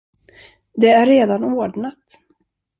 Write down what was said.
Det är redan ordnat.